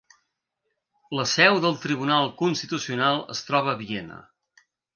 La seu del Tribunal Constitucional es troba a Viena.